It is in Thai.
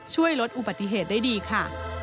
ช่วยลดอุบัติเหตุได้ดีค่ะ